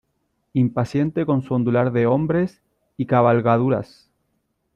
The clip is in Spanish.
impaciente con su ondular de hombres y cabalgaduras.